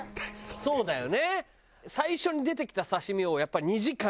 そうだよね。